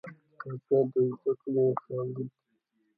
کتابچه د زدکړې شاليد دی